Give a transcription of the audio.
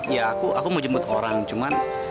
ya aku aku mau jemput orang cuman